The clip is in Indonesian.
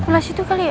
pulang situ kali ya